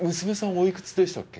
おいくつでしたっけ？